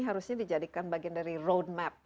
harusnya dijadikan bagian dari roadmap